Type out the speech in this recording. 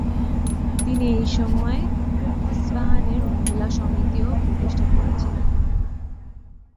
তিনি এই সময়ে ইসফাহানের মহিলা সমিতিও প্রতিষ্ঠা করেছিলেন।